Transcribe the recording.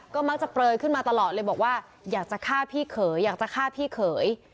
ก็มักจะเปลยขึ้นมาตลอดเลยบอกว่าอยากจะฆ่าพี่เขยอยากจะฆ่าพี่เขย